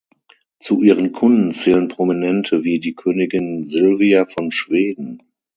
Zu ihren Kunden zählen Prominente wie die Königin Silvia von Schweden.